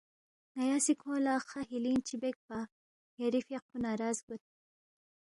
ن٘یا سی کھونگ لہ خا ہِلِنگ چی بیک پا، یری فیاقپو ناراض گوید